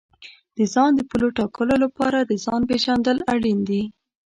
د ځان د پولو ټاکلو لپاره د ځان پېژندل اړین دي.